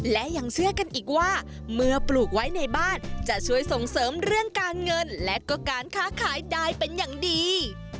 และยังเชื่อกันอีกว่าเมื่อปลูกไว้ในบ้านจะช่วยส่งเสริมเรื่องการเงินและก็การค้าขายได้เป็นอย่างดี